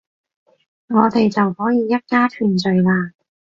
我哋就可以一家團聚喇